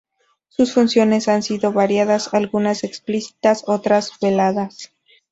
Sus funciones han sido variadas, algunas explícitas otras veladas.